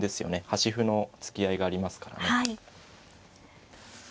端歩の突き合いがありますからね。